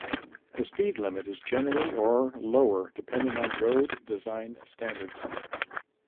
The speed limit is generally or lower depending on road design standards.